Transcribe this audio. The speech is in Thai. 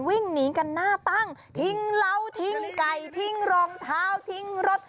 วิ่งหนีกันหน้าตั้งทิ้งเหล้าทิ้งไก่ทิ้งรองเท้าทิ้งรถ